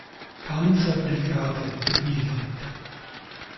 Panzer-Brigade gebildet.